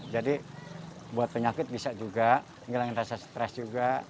jadi buat penyakit bisa juga ngilangin rasa stres juga